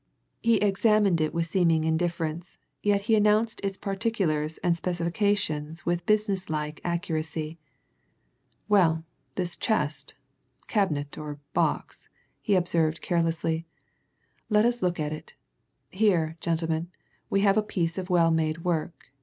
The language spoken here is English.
He examined it with seeming indifference, yet he announced its particulars and specifications with business like accuracy. "Well this chest, cabinet, or box," he observed carelessly. "Let us look at it. Here, gentlemen, we have a piece of well made work.